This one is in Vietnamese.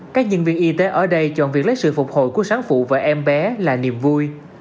các nhân viên y tế ở đây chọn việc lấy sự phục hồi của sáng phụ và em bé là niềm vui